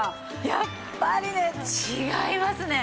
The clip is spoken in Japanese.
やっぱりね違いますね。